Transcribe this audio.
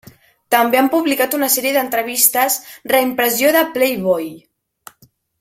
També han publicat una sèrie d'entrevistes reimpressió de Playboy.